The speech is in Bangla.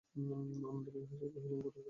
আনন্দময়ী হাসিয়া কহিলেন, গোরার কাছ থেকে পেয়েছি।